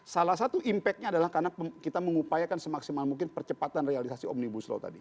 salah satu impactnya adalah karena kita mengupayakan semaksimal mungkin percepatan realisasi omnibus law tadi